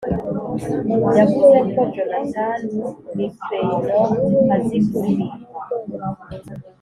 yavuze ko jonathan mcreynolds azi kuririmba